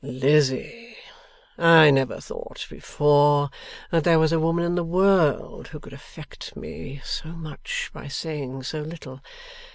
'Lizzie! I never thought before, that there was a woman in the world who could affect me so much by saying so little.